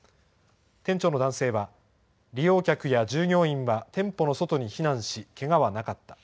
店長の男性は、利用客や従業員は、店舗の外に避難し、けがはなかった。